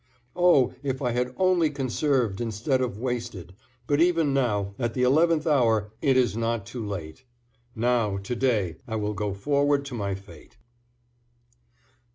Oh! if I had only conserved instead of wasted, but even now at the eleventh hour it is not too late. Now, to day, I will go forward to my fate.